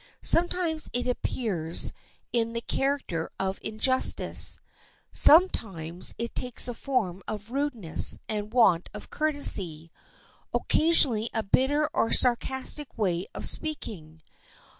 Sometimes it appears in the character of injustice; sometimes it takes the form of rudeness and want of courtesy; occasionally a bitter or sarcastic way of speaking.